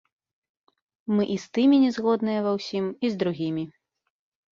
Мы і з тымі не згодныя ва ўсім, і з другімі.